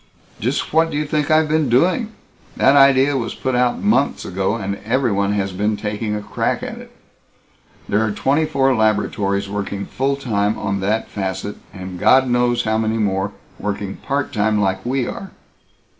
"Just what do you think I've been doing? That idea was put out months ago, and everyone has been taking a crack at it. There are twenty four laboratories working full time on that facet and God knows how many more working part time like we are.